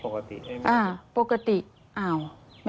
ก็ร้องปกติไหม